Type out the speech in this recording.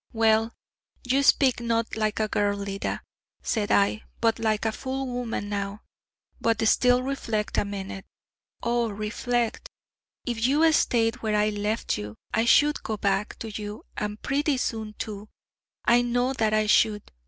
'Well, you speak, not like a girl, Leda,' said I, 'but like a full woman now. But still, reflect a minute.... O reflect! If you stayed where I left you, I should go back to you, and pretty soon, too: I know that I should.